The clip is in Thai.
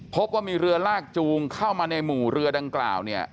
พบว่ามีเรือลากจูงเข้ามาในหมู่เรือดังกล่าวเนี่ย